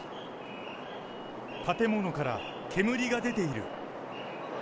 建物から煙が出ている。